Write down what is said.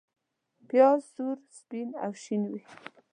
پیاز سور، سپین او شین وي